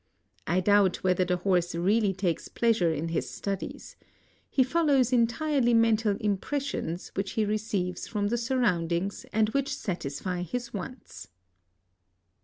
I doubt whether the horse really takes pleasure in hia studlea He follows entirely mental Im pressions which he receives from the sur roundings and which satisfy his wants."